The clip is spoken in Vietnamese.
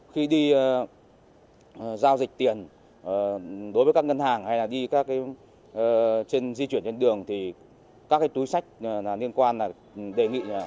khi đi giao dịch tiền đối với các ngân hàng hay là đi di chuyển trên đường thì các túi sách liên quan đề nghị